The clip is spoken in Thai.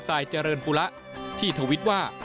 สายเจริญปุระที่ทวิตว่า